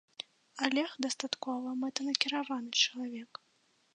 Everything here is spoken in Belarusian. Алег дастаткова мэтанакіраваны чалавек.